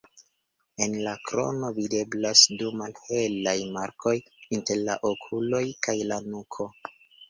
En la krono videblas du malhelaj markoj inter la okuloj kaj la nuko.